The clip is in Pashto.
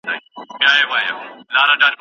قلاګاني د بابا له ميراثونو